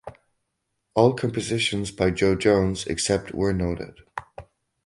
All compositions by Jo Jones except where noted